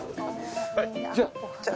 じゃあ。